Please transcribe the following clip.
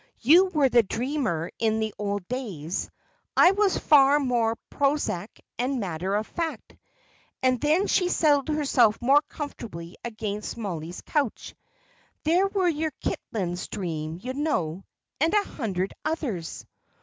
"You were the dreamer in the old days. I was far more prosaic and matter of fact." And then she settled herself more comfortably against Mollie's couch. "There was your Kitlands dream, you know, and a hundred others."